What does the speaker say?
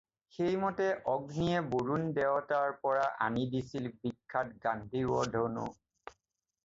সেইমতেই অগ্নিয়ে বৰুণ দেৱতাৰ পৰা আনি দিছিল বিখ্যাত গাণ্ডীৱ ধনু।